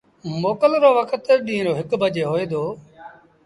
موڪل رو وکت ڏيٚݩهݩ رو هڪ بجي هوئي دو۔